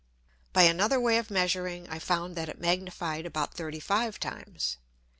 By another way of measuring I found that it magnified about 35 times.